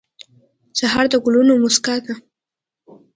سهار د ګلونو موسکا ده.